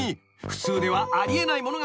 普通ではあり得ないもの。